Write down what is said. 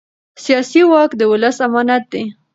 سیاسي واک د ولس امانت دی